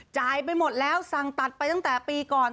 ไปหมดแล้วสั่งตัดไปตั้งแต่ปีก่อน